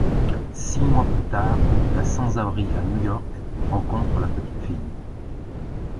Six mois plus tard, un sans-abri à New York rencontre la petite fille.